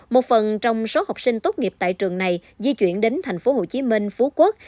một phần trong số học sinh tốt nghiệp tại trường này di chuyển đến thành phố hồ chí minh phú quốc